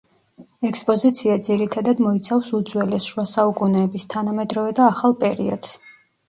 ექსპოზიცია ძირითადად მოიცავს უძველეს, შუა საუკუნეების, თანამედროვე და ახალ პერიოდს.